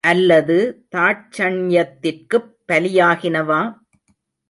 அல்லது தாட்சண்யத்திற்குப் பலியாகினவா?